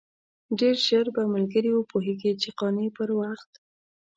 ډېر ژر به ملګري وپوهېږي چې قانع پر وخت.